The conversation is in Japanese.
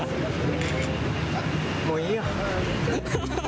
もういいよ。